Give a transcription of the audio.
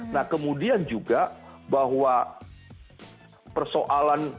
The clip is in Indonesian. nah kemudian juga bahwa persoalan